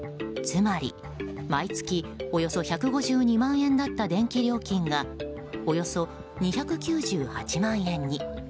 つまり毎月およそ１５２万円だった電気料金がおよそ２９８万円に。